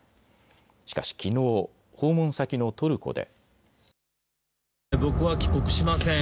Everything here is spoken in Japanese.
しかしきのう訪問先のトルコで。